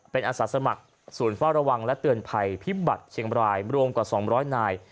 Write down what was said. เป็นอาสาสมัครศูนย์เฝ้าระวังและเตือนภัยพิบัตรเชียงบรายรวมกว่า๒๐๐นาย